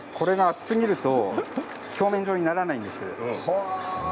厚すぎると鏡面状にならないんです。